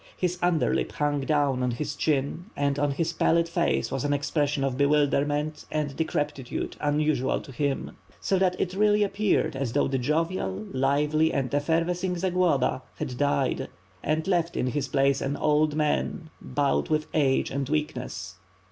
His underlip hung down on his chin and on his pallid face was an expression of bewilderment and decrepitude unusual to him; so that it really appeared as though the jovial, lively, and effervescing Zagloba had died, and left in his place an old man, bowed with age and weakness.